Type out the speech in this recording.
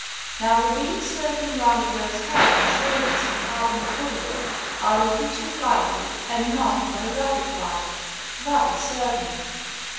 Now, the beings circling round a girl's head and shoulders in the Carpenter photo graph are in picture flighty and not in pho tographic flight. That is certain.